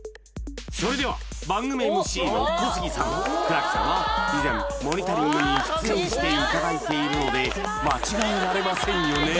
それでは番組ＭＣの小杉さん倉木さんは以前モニタリングに出演していただいているので間違えられませんよね？